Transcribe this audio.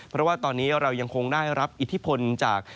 เพราะว่าตอนนี้เรายังคงได้รับอิทธิพลจาก